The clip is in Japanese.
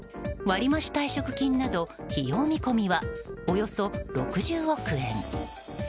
割り増し退職金など費用見込みはおよそ６０億円。